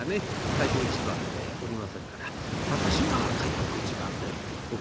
開口一番でおりませんから私が開口一番でお客様と向き合っていく。